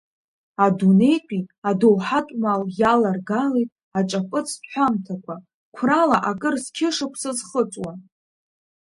Адунеитәи адоуҳатә мал иаларгалеит аҿаԥыцтә ҳәамҭақәа, қәрала акыр зқьышықәса зхыҵуа.